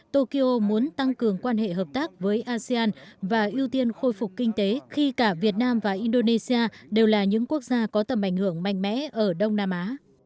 tokyo muốn tăng cường quan hệ hợp tác với asean và ưu tiên khôi phục kinh tế khi cả việt nam và indonesia đều là những quốc gia có tầm ảnh hưởng mạnh mẽ ở đông nam á